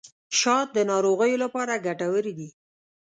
شات د ناروغیو لپاره ګټور دي.